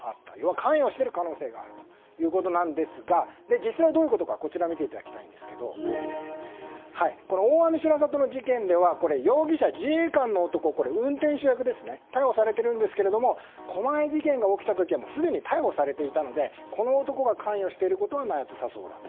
関与している可能性があるということですが実際どういうことかこちらを見ていただきたいんですが大網白里の事件では容疑者、自衛官の男が運転手役ですね。逮捕されているんですが狛江事件が起きた時はすでに逮捕されていたのでこの男が関与していることはなさそうだと。